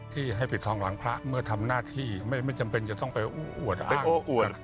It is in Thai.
ที่ให้ปิดทองหลังพระเมื่อทำหน้าที่ไม่จำเป็นจะต้องไปโอ้อวด